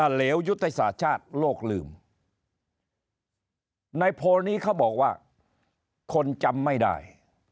เหลวยุทธศาสตร์ชาติโลกลืมในโพลนี้เขาบอกว่าคนจำไม่ได้